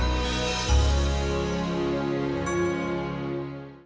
sampai jumpa di video selanjutnya